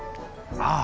ああ！